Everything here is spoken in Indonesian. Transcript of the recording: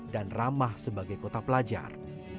ramah sebagai kota pelajar